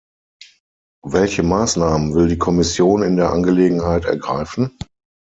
Welche Maßnahmen will die Kommission in der Angelegenheit ergreifen?